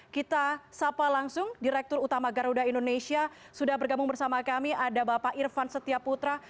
kita sapa langsung direktur utama garuda indonesia sudah bergabung bersama kami ada bapak irfan setia putra